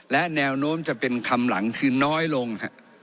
และแนวโน้มจะเป็นคำหลังคือน้อยลง